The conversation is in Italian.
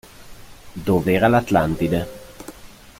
Dov'era l'Atlantide.